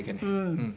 うん。